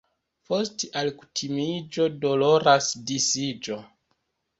Post alkutimiĝo doloras disiĝo.